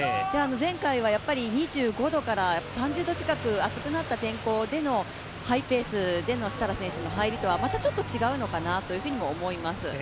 前回は、２５度から３０度近く暑くなった天候でのハイペースでの設楽選手の入りとはまた違うのかなと思います。